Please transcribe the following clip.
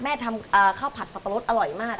ทำข้าวผัดสับปะรดอร่อยมาก